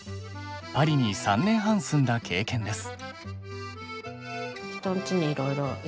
パリに３年半住んだ経験です。